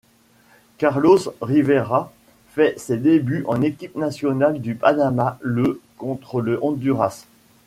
Carlos Rivera fait ses débuts en équipe nationale du Panama le contre le Honduras.